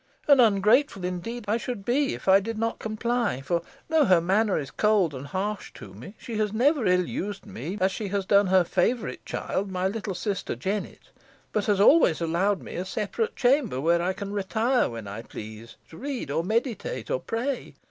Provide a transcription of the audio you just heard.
And, ungrateful indeed I should be, if I did not comply; for, though her manner is harsh and cold to me, she has never ill used me, as she has done her favourite child, my little sister Jennet, but has always allowed me a separate chamber, where I can retire when I please, to read, or meditate, or pray.